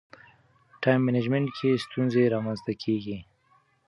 ټایم منجمنټ کې ستونزې رامنځته کېږي.